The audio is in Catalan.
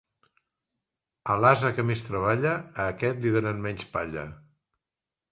A l'ase que més treballa, a aquest li donen menys palla.